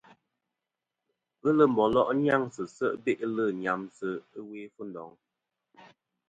Ghelɨ mbòlo' nyaŋsɨ se' be'lɨ nyamsɨ ɨwe Fundong.